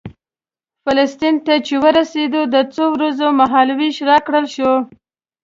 فلسطین ته چې ورسېدو د څو ورځو مهال وېش راکړل شو.